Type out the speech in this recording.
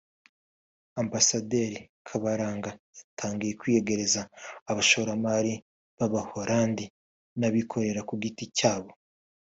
Ambasaderi Karabaranga yatangiye kwiyegereza abashoramari b’abaholandi n’abikorera ku giti cyabo